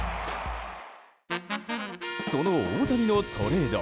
その大谷のトレード